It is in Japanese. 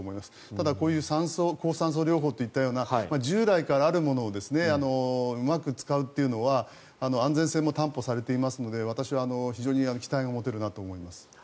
ただ、こういう高酸素療法といったような従来からあるものをうまく使うっていうのは安全性も担保されていますので私は非常に期待が持てるなと思います。